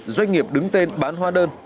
doanh nghiệp đứng tên bán hóa đơn